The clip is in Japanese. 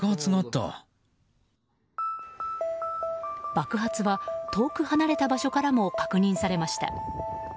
爆発は、遠く離れた場所からも確認されました。